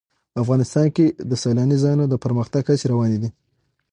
افغانستان کې د سیلانی ځایونه د پرمختګ هڅې روانې دي.